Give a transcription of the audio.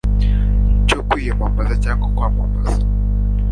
cyo kwiyamamaza cyangwa kwamamaza